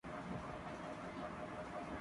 عشق پر زور نہیں، ہے یہ وہ آتش غالب